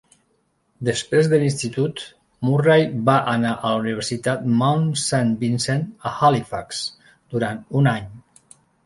Després de l'institut, Murray va anar a la Universitat Mount Saint Vincent a Halifax durant un any.